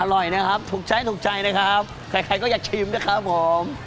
อร่อยนะครับถูกใช้ถูกใจนะครับใครใครก็อยากชิมนะครับผม